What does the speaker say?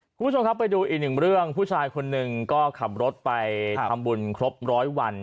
คุณผู้ชมครับไปดูอีกหนึ่งเรื่องผู้ชายคนหนึ่งก็ขับรถไปทำบุญครบร้อยวัน